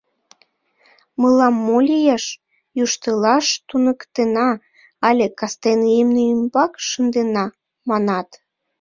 — Мылам мо лиеш?» «Йӱштылаш туныктена» але «Кастене имне ӱмбак шындена» манат.